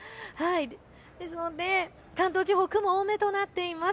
ですので関東地方、雲多めとなっています。